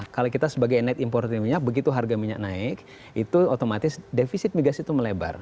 kalau kita sebagai net importer minyak begitu harga minyak naik itu otomatis defisit migas itu melebar